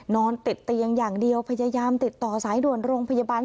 นอนติดเตียงอย่างเดียวพยายามติดต่อสายด่วนโรงพยาบาล